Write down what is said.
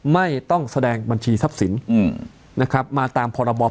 ไม่ต้องแสดงบัญชีทรัพย์สินมาตามพรปช